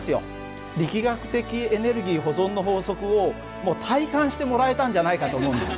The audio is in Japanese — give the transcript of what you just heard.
力学的エネルギー保存の法則を体感してもらえたんじゃないかと思うんだ。